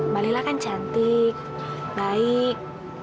malila kan cantik baik